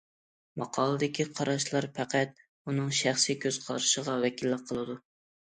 ماقالىدىكى قاراشلار پەقەت ئۇنىڭ شەخسىي كۆز قارىشىغا ۋەكىللىك قىلىدۇ.